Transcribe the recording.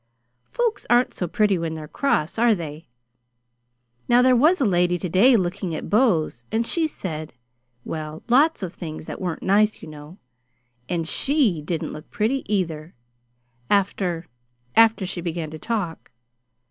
Folks aren't so pretty when they're cross, are they? Now there was a lady to day looking at bows, and she said well, lots of things that weren't nice, you know. And SHE didn't look pretty, either, after after she began to talk.